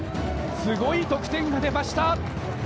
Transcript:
すごい得点が出ました。